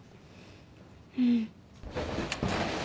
うん。